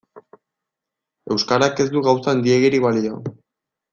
Euskarak ez du gauza handiegirik balio.